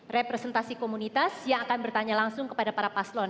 representasi komunitas yang akan bertanya langsung kepada para paslon